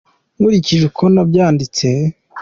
nkurikije uko nabyanditse.